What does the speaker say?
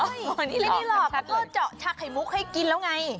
นี่เหล็กพ่อนี้เหล็กแล้วก็เจาะชาไข่มุกให้กินแล้วไง